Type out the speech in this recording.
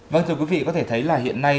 vâng thưa quý vị có thể thấy là hiện nay